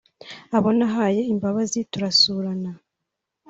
abo nahaye imbabazi turasurana